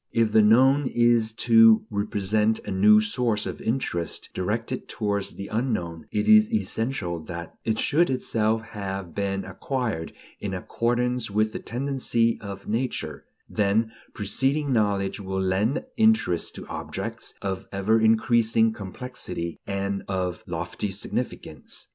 If the known is to represent a new source of interest directed towards the unknown, it is essential that it should itself have been acquired in accordance with the tendency of nature; then preceding knowledge will lend interest to objects of ever increasing complexity and of lofty significance.